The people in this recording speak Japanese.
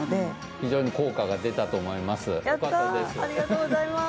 非常に効果が出たと思います。